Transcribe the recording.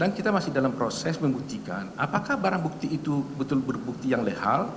dan kita masih dalam proses membuktikan apakah barang bukti itu betul berbukti yang lehal